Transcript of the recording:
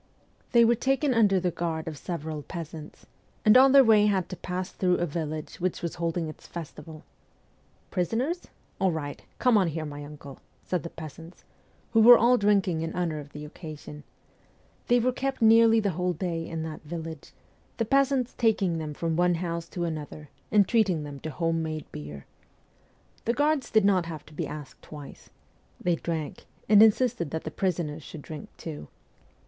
They were taken under the guard of several peasants, and on their way had to pass through a village which was holding its festival. ' Prisoners ? All right ! Come on here, my uncle,' said the peasants, who were all drinking in honour of the occasion. They were kept nearly the whole day in that village, the peasants taking them from one house to another, and treating them to home made beer. The guards did not have to be asked twice. They drank, and insisted that the prisoners should drink too.